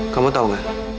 kamu tau gak